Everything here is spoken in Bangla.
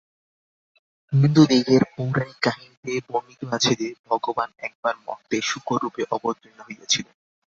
হিন্দুদিগের পৌরাণিক কাহিনীতে বর্ণিত আছে যে, ভগবান একবার মর্ত্যে শূকররূপে অবতীর্ণ হইয়াছিলেন।